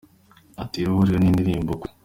ati, Iribuliro ni indirimbo iri kuri.